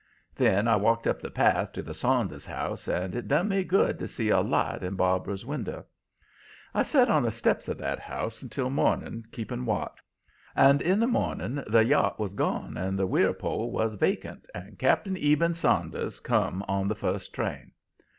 "Then I walked up the path to the Saunders house and it done me good to see a light in Barbara's window. I set on the steps of that house until morning keeping watch. And in the morning the yacht was gone and the weir pole was vacant, and Cap'n Eben Saunders come on the first train.